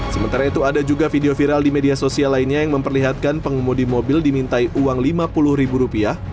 sementara itu ada juga video viral di media sosial lainnya yang memperlihatkan pengemudi mobil dimintai uang lima puluh ribu rupiah